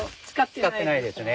使ってないですね。